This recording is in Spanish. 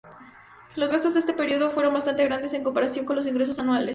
Los gastos de este período fueron bastante grandes en comparación con los ingresos anuales.